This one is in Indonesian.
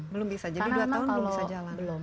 belum bisa jadi dua tahun belum bisa jalan